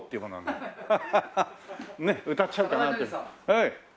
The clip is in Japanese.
はい。